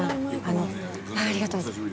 ありがとうございます。